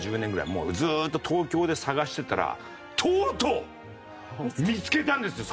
もうずーっと東京で探してたらとうとう見つけたんですよ